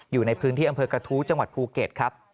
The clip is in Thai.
อยู่ในพื้นที่อำเภอกระทู้จังหวัดภูเก็ตครับ